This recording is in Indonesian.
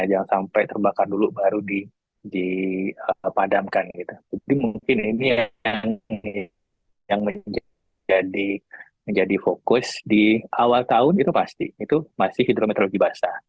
jadi mungkin ini yang menjadi fokus di awal tahun itu pasti itu masih hidrometeorologi basah